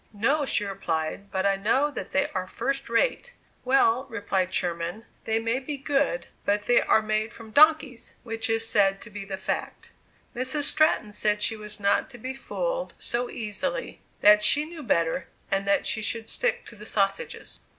"No," she replied; "but I know that they are first rate!" "Well," replied Sherman, "they may be good, but they are made from donkeys!" which is said to be the fact. Mrs. Stratton said she was not to be fooled so easily that she knew better, and that she should stick to the sausages.